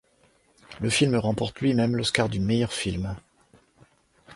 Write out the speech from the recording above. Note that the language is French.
Le film remporte lui-même l'Oscar du meilleur film.